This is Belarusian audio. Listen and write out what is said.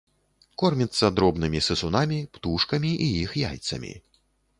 Корміцца дробнымі сысунамі, птушкамі і іх яйцамі.